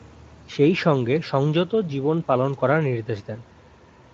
সেইসঙ্গে সংযত জীবন পালন করার নির্দেশ দেন।